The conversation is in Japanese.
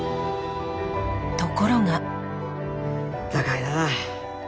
ところが。